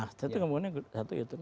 nah itu kemudiannya satu itu